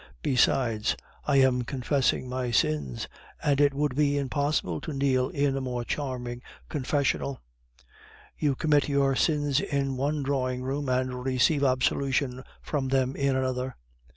Besides, I am confessing my sins, and it would be impossible to kneel in a more charming confessional; you commit your sins in one drawing room, and receive absolution for them in another."